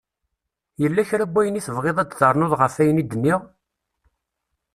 Yella kra n wayen i tebɣiḍ ad d-ternuḍ ɣef ayen i d-nniɣ?